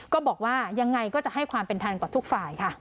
ก็บอกว่ายังไงก็จะให้ความเป็นธรรมกว่าทุกฝ่ายค่ะ